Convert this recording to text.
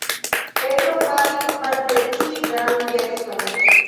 Petro faris malprecizan geston.